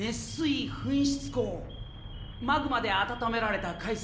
マグマで温められた海水が噴き出る